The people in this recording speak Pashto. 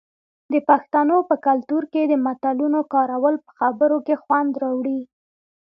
د پښتنو په کلتور کې د متلونو کارول په خبرو کې خوند راوړي.